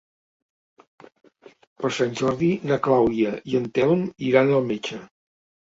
Per Sant Jordi na Clàudia i en Telm iran al metge.